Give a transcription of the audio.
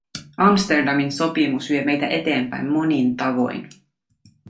Amsterdamin sopimus vie meitä eteenpäin monin tavoin.